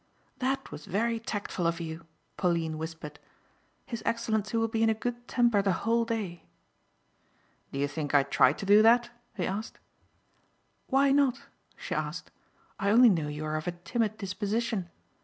"That was very tactful of you," Pauline whispered. "His Excellency will be in a good temper the whole day." "Do you think I tried to do that?" he asked. "Why not?" she asked, "I only know you are of a timid disposition.